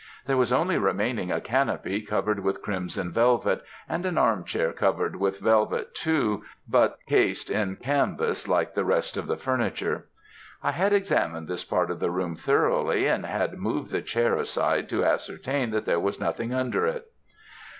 There was only remaining a canopy covered with crimson velvet, and an arm chair covered with velvet too, but cased in canvas like the rest of the furniture. I had examined this part of the room thoroughly, and had moved the chair aside to ascertain that there was nothing under it.